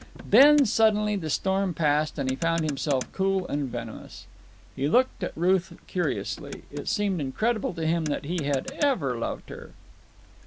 Then, suddenly, the storm passed and he found himself cool and venomous. He looked at Ruth curiously. It seemed incredible to him that he had ever loved her.